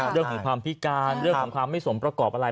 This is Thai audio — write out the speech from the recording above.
เรื่องของความพิการเรื่องของความไม่สมประกอบอะไร